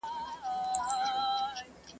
o د پاچا صاحب باز دئ، پر ډېران چرگوړي نيسي.